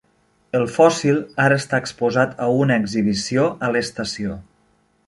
El fòssil ara està exposat a una exhibició a l'estació.